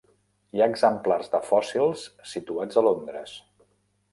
Hi ha exemplars de fòssils situats a Londres.